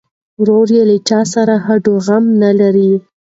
ورور یې له چا سره هډوغم نه لري.